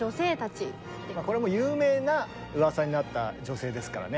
これも有名なうわさになった女性ですからね。